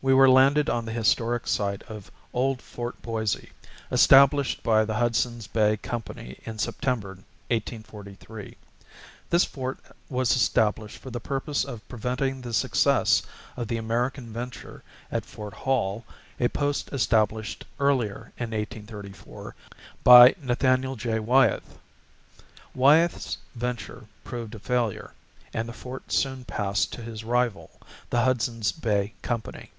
We were landed on the historic site of old Fort Boise, established by the Hudson's Bay Company in September, 1834. This fort was established for the purpose of preventing the success of the American venture at Fort Hall, a post established earlier in 1834 by Nathaniel J. Wyeth. Wyeth's venture proved a failure, and the fort soon passed to his rival, the Hudson's Bay Company.